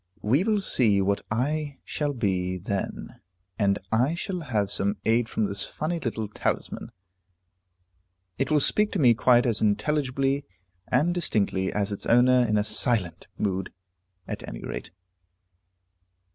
We will see what I shall be then, and I shall have some aid from this funny little talisman; it will speak to me quite as intelligibly and distinctly as its owner in a silent mood, at any rate."